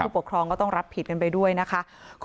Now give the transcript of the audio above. ปกครองก็ต้องรับผิดกันไปด้วยนะคะ